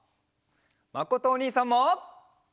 まことおにいさんも！